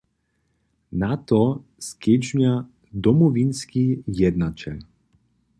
Na to skedźbnja Domowinski jednaćel.